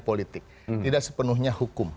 politik tidak sepenuhnya hukum